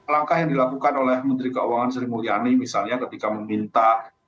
langkah yang dilakukan oleh menteri keuangan sri mulyani misalnya ketika meminta